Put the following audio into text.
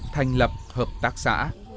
thành lập hợp tác xã